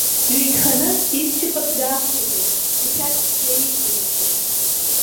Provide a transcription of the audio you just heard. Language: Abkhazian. Дҩеиханы изшьапык даақәиргылан, ишәақь наиҵаиргылт.